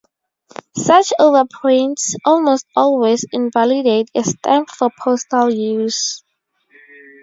Such overprints almost always invalidate a stamp for postal use.